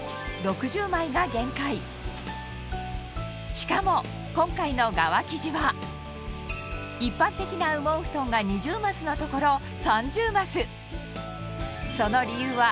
しかも今回の側生地は一般的な羽毛布団が２０マスのところ３０マス